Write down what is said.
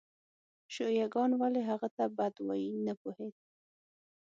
شیعه ګان ولې هغه ته بد وایي نه پوهېد.